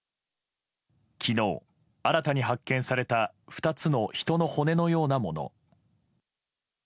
昨日、新たに発見された２つの人の骨のようなもの。